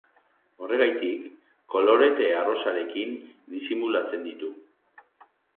Horregatik, kolorete arrosarekin disimulatzen ditu.